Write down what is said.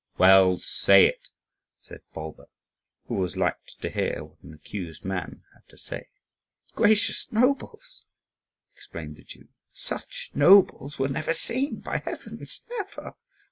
"Well, say it," said Bulba, who always liked to hear what an accused man had to say. "Gracious nobles," exclaimed the Jew, "such nobles were never seen, by heavens, never!